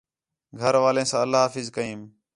گھر والیں ساں اللہ حافظ کئیم